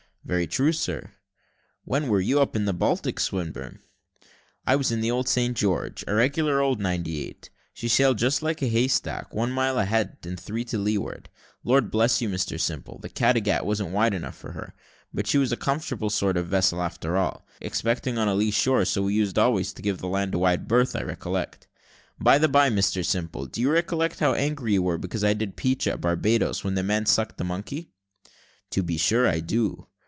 "Very true, sir." "When were you up the Baltic, Swinburne?" "I was in the old St. George, a regular old ninety eight; she sailed just like a hay stack, one mile ahead and three to leeward. Lord bless you, Mr Simple, the Cattegat wasn't wide enough for her; but she was a comfortable sort of vessel after all, excepting on a lee shore, so we used always to give the land a wide berth, I recollect. By the bye, Mr Simple, do you recollect how angry you were because I didn't peach at Barbadoes, when the man sucked the monkey?" "To be sure I do."